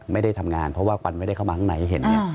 ไม่ได้ทำงานเพราะว่าควันไม่ได้เข้ามาข้างในเห็น